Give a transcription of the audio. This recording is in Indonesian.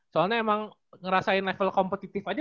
soalnya emang ngerasain level kompetitif aja